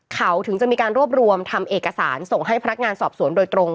เขาถึงจะมีการรวบรวมทำเอกสารส่งให้พนักงานสอบสวนโดยตรง